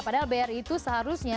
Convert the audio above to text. padahal bri itu seharusnya